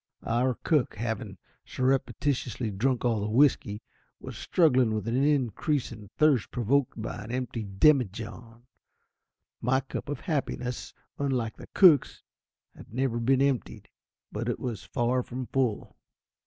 Our cook, having surreptitiously drunk all the whisky, was struggling with an increasing thirst provoked by an empty demi john. My cup of happiness, unlike the cook's, had never been emptied, but it was far from full.